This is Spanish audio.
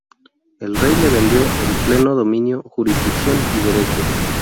El rey le vendió el pleno dominio, jurisdicción y derechos.